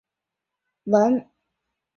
周文王子曹叔振铎后裔。